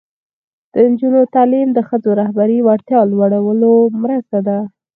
د نجونو تعلیم د ښځو رهبري وړتیا لوړولو مرسته ده.